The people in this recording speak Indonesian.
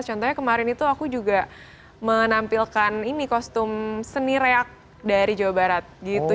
contohnya kemarin itu aku juga menampilkan ini kostum seni reak dari jawa barat gitu